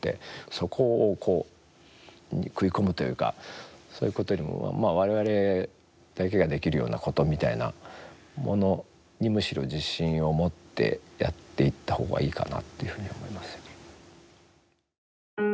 そこを食い込むというかそういうことよりも我々だけができるようなことみたいなものにむしろ自信を持ってやっていった方がいいかなっていうふうには思います。